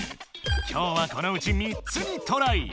今日はこのうち３つにトライ！